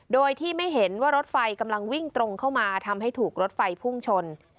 โดยที่ไม่เห็นว่ารถไฟกำลังวิ่งตรงเข้ามาทำให้ถูกรถไฟพุ่งชน